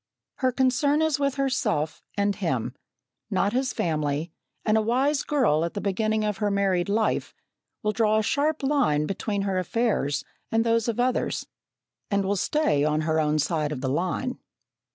Her concern is with herself and him, not his family, and a wise girl, at the beginning of her married life, will draw a sharp line between her affairs and those of others, and will stay on her own side of the line.